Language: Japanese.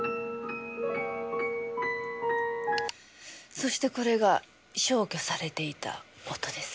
そしてこれが消去されていた音です。